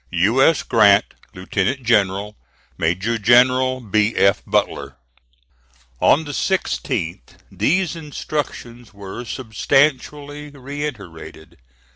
"U. S. GRANT, Lieutenant General. "MAJOR GENERAL B. F. BUTLER." On the 16th these instructions were substantially reiterated.